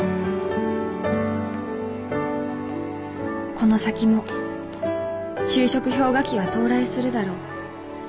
この先も就職氷河期は到来するだろう。